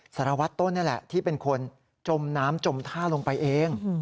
สารวัตรต้นนี่แหละที่เป็นคนจมน้ำจมท่าลงไปเอง